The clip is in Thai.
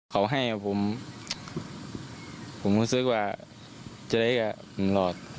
ขอให้ผมผมรู้สึกว่าจะได้กลัวหลอด